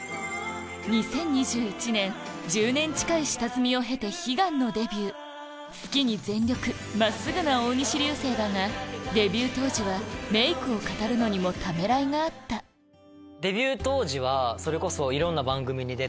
２０２１年１０年近い下積みを経て悲願のデビュー好きに全力真っすぐな大西流星だがデビュー当時はメイクを語るのにもためらいがあったデビュー当時はそれこそいろんな番組に出て。